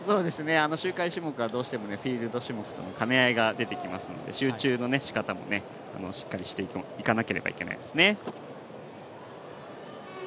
周回種目はどうしてもフィールド種目との兼ね合いが出てきますので集中のしかたもしっかりしていかなければならないですね。